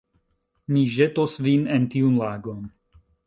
Mi ĵetos vin en tiun lagon